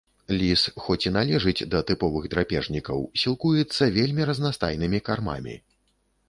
Ліс, хоць і належыць да тыповых драпежнікаў, сілкуецца вельмі разнастайнымі кармамі.